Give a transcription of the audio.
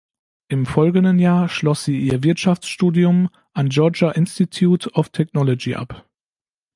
Im folgenden Jahr schloss sie ihr Wirtschaftsstudium am Georgia Institute of Technology ab.